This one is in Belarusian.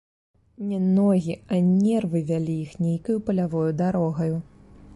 Не ногі, а нервы вялі іх нейкаю палявою дарогаю.